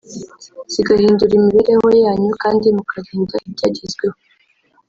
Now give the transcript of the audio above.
zigahindura imibereho yanyu kandi mukarinda ibyagezweho